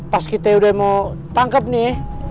pas kita udah mau tangkap nih